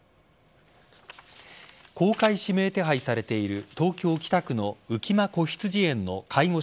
公開指名手配されている東京・北区の浮間こひつじ園の介護